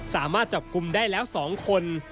สามารถจับกลุ่มได้แล้ว๒คน